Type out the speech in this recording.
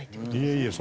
いえいえ